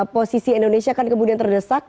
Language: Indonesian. posisi indonesia kan kemudian terdesak